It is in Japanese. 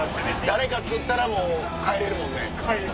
誰か釣ったらもう帰れるもんね。